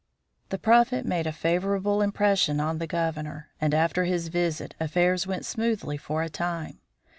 The Prophet made a favorable impression on the Governor, and after his visit affairs went smoothly for a time.